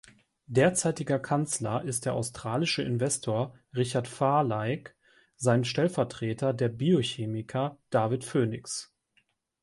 Derzeitiger Kanzler ist der australische Investor Richard Farleigh, sein Stellvertreter der Biochemiker David Phoenix.